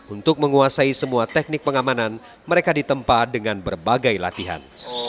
untuk menguasai semua teknik pengamanan mereka ditempa dengan berbagai latihan